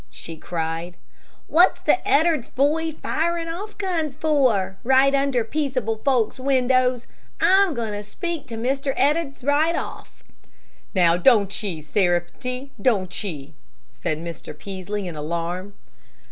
she cried. "What's the Ed'ards boy firin' off guns for, right under peaceable folks' windows? I'm goin' to speak to Mr. Ed'ards right off." "Now don't ye, Sarepty, now don't ye!" said Mr. Peaslee, in alarm.